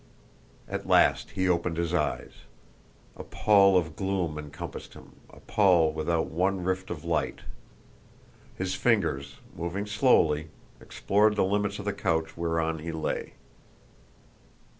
At last he opened his eyes. A pall of gloom encompassed him a pall without one rift of light. His fingers, moving slowly, explored the limits of the couch whereon he lay.